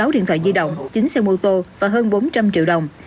một mươi sáu điện thoại di động chín xe mô tô và hơn bốn trăm linh triệu đồng